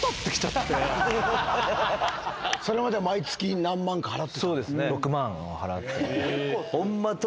それまでは毎月何万か払ってたんだ。